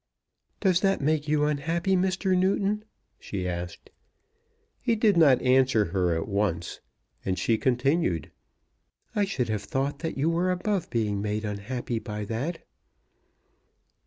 "Does that make you unhappy, Mr. Newton?" she asked. He did not answer her at once, and she continued, "I should have thought that you were above being made unhappy by that."